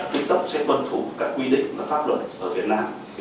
thì tiktok sẽ bân thủ các quy định và pháp luật ở việt nam